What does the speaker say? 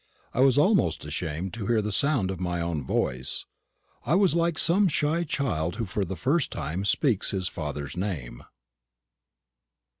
I was almost ashamed to hear the sound of my own voice. I was like some shy child who for the first time speaks his father's name.